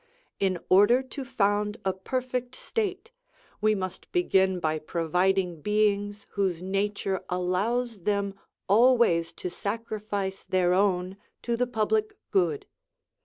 In order to found a perfect state, we must begin by providing beings whose nature allows them always to sacrifice their own to the public good.